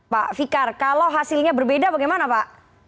pak fikar kalau hasilnya berbeda bagaimana pak